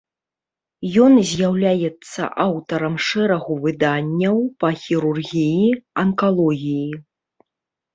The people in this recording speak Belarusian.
Ён з'яўляецца аўтарам шэрагу выданняў па хірургіі, анкалогіі.